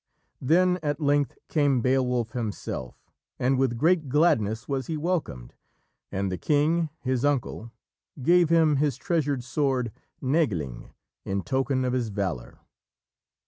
Then at length came Beowulf himself, and with great gladness was he welcomed, and the king, his uncle, gave him his treasured sword, Nägeling, in token of his valour.